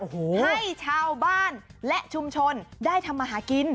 ให้ชาวบ้านและชุมชนได้ทำมาหากิน